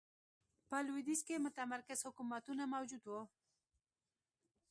په لوېدیځ کې متمرکز حکومتونه موجود و.